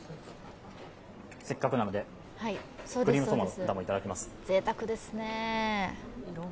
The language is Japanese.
せっかくなので、クリームソーダもいただきます。